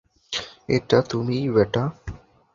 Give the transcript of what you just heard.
এটা তুমিই ব্যাটা।